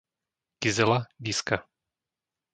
Gizela, Gizka